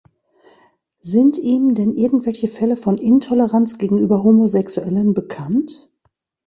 Sind ihm denn irgendwelche Fälle von Intoleranz gegenüber Homosexuellen bekannt?